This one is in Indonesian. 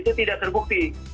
itu tidak terbukti